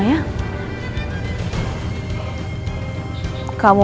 ternyata kelakuan kamu masih sama